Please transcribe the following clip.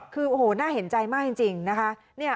คือโอ้โหน่าเห็นใจมากจริงนะคะ